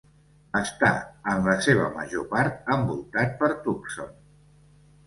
Està en la seva major part envoltat per Tucson.